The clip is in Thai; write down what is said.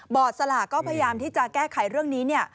บอร์ดสลากก็พยายามที่จะแก้ไขเรื่องนี้เนี่ย